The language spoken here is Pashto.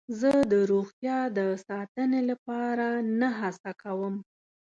زه د روغتیا د ساتنې لپاره نه هڅه کوم.